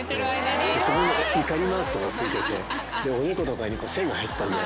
ここに怒りマークとかが付いてておでことかに線が入ってたんだよ。